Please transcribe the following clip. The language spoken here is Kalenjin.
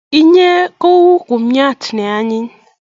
Inye koi u kumyat ne anyiny.